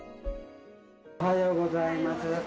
おはようございます。